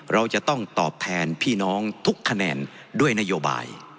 เราจะต้องตอบแทนพี่น้องทุกคะแนนด้วยนโยบาย